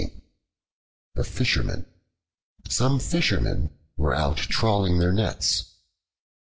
The Fishermen SOME FISHERMEN were out trawling their nets.